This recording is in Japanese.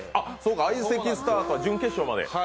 相席スタートは準決勝まで。